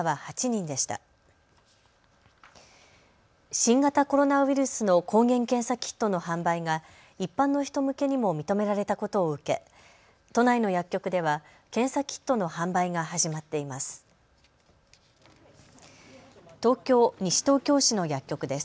新型コロナウイルスの抗原検査キットの販売が一般の人向けにも認められたことを受け都内の薬局では検査キットの販売が始まっています。